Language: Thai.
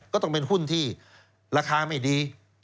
ก็ต้องเป็นหุ้นที่ราคาไม่ดี